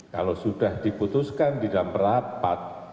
kalau sudah diputuskan di dalam rapat